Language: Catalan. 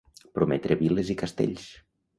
Prometre viles i castells.